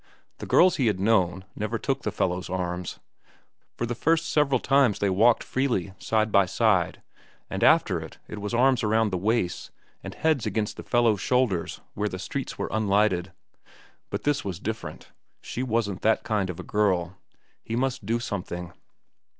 The girls he had known never took the fellows' arms. For the first several times they walked freely, side by side, and after that it was arms around the waists, and heads against the fellows' shoulders where the streets were unlighted. But this was different. She wasn't that kind of a girl. He must do something.